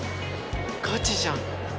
ガチじゃん。